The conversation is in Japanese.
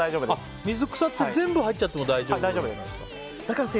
水草って全部入っちゃっても大丈夫ですか？